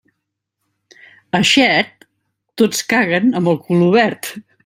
A Xert, tots caguen amb el cul obert.